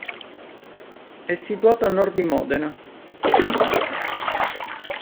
È situato a nord di Modena.